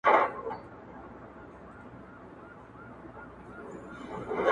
که یوه شېبه وي پاته په خوښي کي دي تیریږي؛